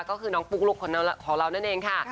ก็คือน้องปุ๊กลุ๊กของเรานั่นเองค่ะ